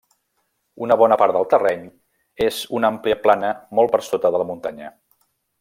Una bona part del terreny és una àmplia plana molt per sota de la muntanya.